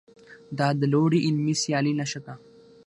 دا د لوړې علمي سیالۍ نښه ده.